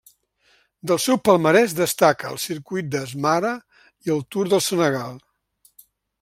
Del seu palmarès destaca el Circuit d'Asmara i el Tour del Senegal.